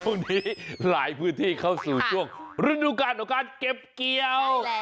นี้หลายพื้นที่เข้าสู่ช่วงฤดูการของการเก็บเกี่ยว